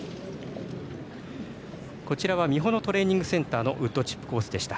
こちらは美浦のトレーニング・センターのウッドチップ・コースでした。